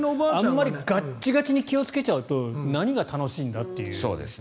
あまりがちがちに気をつけちゃうと何が楽しいのかという。